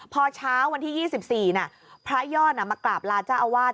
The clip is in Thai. พอเช้าวันที่๒๔พระยอดมากราบลาเจ้าอาวาส